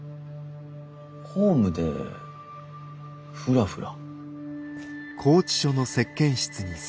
ホームでフラフラ。